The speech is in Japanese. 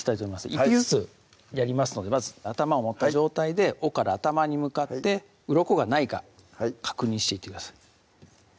１匹ずつやりますのでまず頭を持った状態で尾から頭に向かってうろこがないか確認していってください